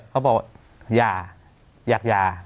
เขาบอกอย่าอยากหย่า